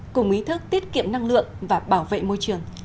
cùng ý thức tiết kiệm năng lượng và bảo vệ môi trường